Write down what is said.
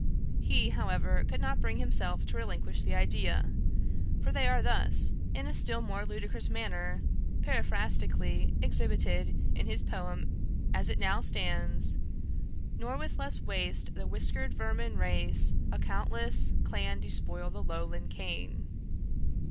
He, however, could not bring himself to relinquish the idea; for they are thus, in a still more ludicrous manner, periphrastically exhibited in his poem as it now stands: 'Nor with less waste the whisker'd vermin race A countless clan despoil the lowland cane.'